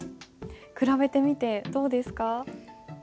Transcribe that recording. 比べてみてどうですか？